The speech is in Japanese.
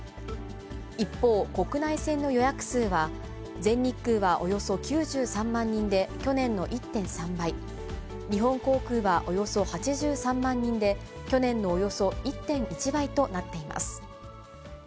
一方、国内線の予約数は、全日空はおよそ９３万人で去年の１．３倍、日本航空はおよそ８３万人で、去年のおよそ１．１倍となっています。